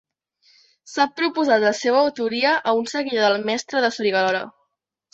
S'ha proposat la seva autoria a un seguidor del Mestre de Soriguerola.